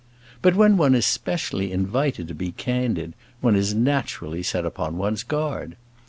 But when one is specially invited to be candid, one is naturally set upon one's guard.